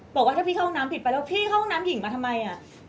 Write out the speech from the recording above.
บอกว่าถ้าพี่เข้าน้ำผิดไปแล้วพี่เข้าห้องน้ำหญิงมาทำไม